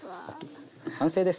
完成です。